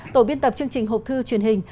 tổ biên tập chương trình hộp thư truyền hình